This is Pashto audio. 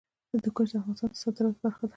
هندوکش د افغانستان د صادراتو برخه ده.